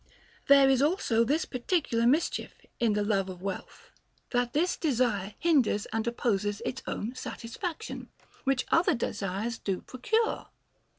There is also this particular mischief in the love of wealth, that this desire hinders and opposes its own sat isfaction, which other desires do procure.